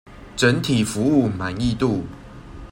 整體服務滿意度